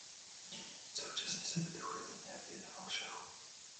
Současně se aktivně věnoval šachu.